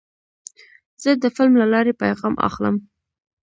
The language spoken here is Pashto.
زه د فلم له لارې پیغام اخلم.